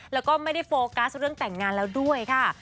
แล้วก็ไม่ได้โฟกัสเรื่องแต่งงานแล้วด้วยค่ะ